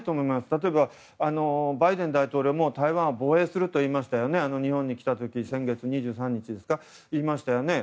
例えばバイデン大統領も台湾を防衛すると言いましたね日本に来た時、先月２３日ですか言いましたよね。